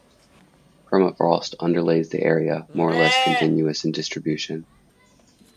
Permafrost underlays the area, more or less continuous in distribution.